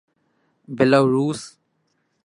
Belarus